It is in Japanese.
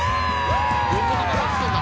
横浜ラストだ。